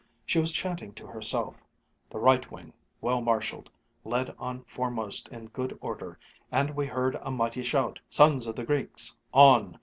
She was chanting to herself, "The right wing, well marshaled, led on foremost in good order, and we heard a mighty shout 'Sons of the Greeks! On!